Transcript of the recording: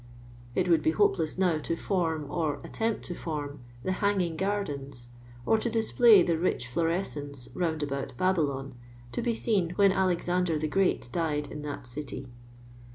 It would be hopeless now to form, or attempt to form, the " hanging gardens," or tj display the rich florescence "round about Baby lon,*' to be seen when Alexander the Great died in that city.